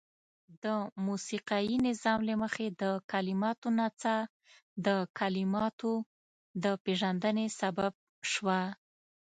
د موسيقايي نظام له مخې د کليماتو نڅاه د کليماتو د پيژندني سبب شوه.